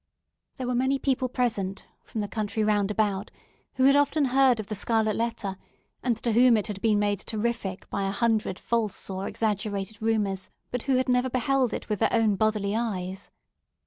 There were many people present from the country round about, who had often heard of the scarlet letter, and to whom it had been made terrific by a hundred false or exaggerated rumours, but who had never beheld it with their own bodily eyes.